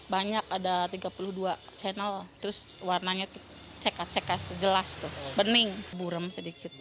banyak ada tiga puluh dua channel terus warnanya cekat cekas jelas tuh bening burem sedikit